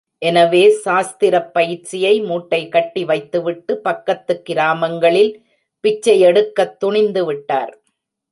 எனவே சாஸ்திரப் பயிற்சியை மூட்டை கட்டி வைத்துவிட்டு, பக்கத்துக் கிராமங்களில் பிச்சை எடுக்கத் துணிந்து விட்டார்.